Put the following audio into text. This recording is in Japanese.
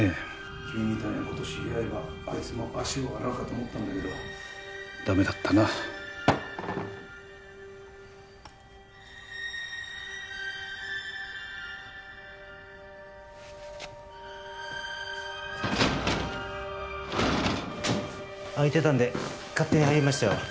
君みたいな子と知り合えばあいつも足を洗うかと思ったんだけどダメだったな開いてたんで勝手に入りましたよ